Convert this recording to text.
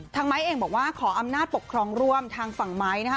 ไมค์เองบอกว่าขออำนาจปกครองร่วมทางฝั่งไม้นะคะ